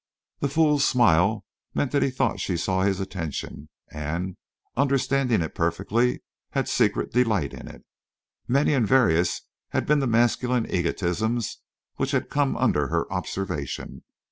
The fool's smile meant that he thought she saw his attention, and, understanding it perfectly, had secret delight in it. Many and various had been the masculine egotisms which had come under her observation.